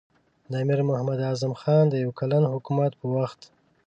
د امیر محمد اعظم خان د یو کلن حکومت په وخت.